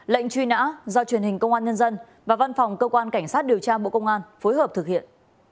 lệnh truy nã do truyền hình công an nhân dân và văn phòng cơ quan cảnh sát điều tra bộ công an phối hợp thực hiện